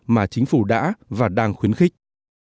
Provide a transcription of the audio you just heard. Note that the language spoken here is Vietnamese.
mà chính phủ đã và đang khuyến khích